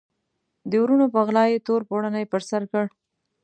د وروڼو په غلا یې تور پوړنی پر سر کړ.